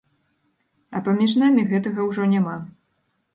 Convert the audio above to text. А паміж намі гэтага ўжо няма.